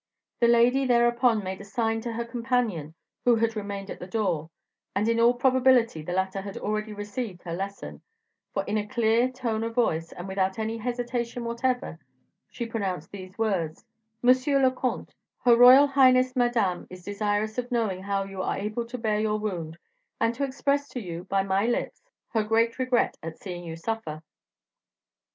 The lady thereupon made a sign to her companion, who had remained at the door; and in all probability the latter had already received her lesson, for in a clear tone of voice, and without any hesitation whatever, she pronounced these words: "Monsieur le comte, her royal highness Madame is desirous of knowing how you are able to bear your wound, and to express to you, by my lips, her great regret at seeing you suffer."